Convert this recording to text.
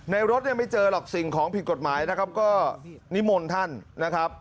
รถเนี่ยไม่เจอหรอกสิ่งของผิดกฎหมายนะครับก็นิมนต์ท่านนะครับ